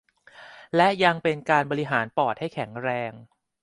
และยังเป็นการบริหารปอดให้แข็งแรง